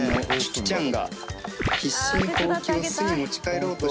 キキちゃん